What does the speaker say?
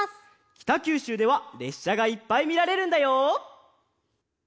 きたきゅうしゅうではれっしゃがいっぱいみられるんだよ。